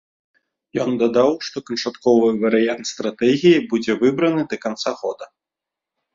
Ён дадаў, што канчатковы варыянт стратэгіі будзе выбраны да канца года.